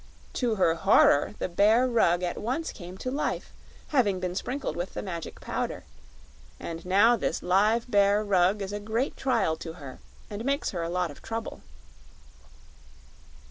To her horror, the bear rug at once came to life, having been sprinkled with the Magic Powder; and now this live bear rug is a great trial to her, and makes her a lot of trouble."